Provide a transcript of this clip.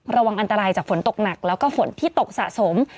ระวังอันตรายจากฝนตกหนักแล้วก็ฝนที่ตกสะสม